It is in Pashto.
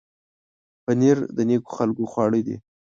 پنېر د نېکو خلکو خواړه دي.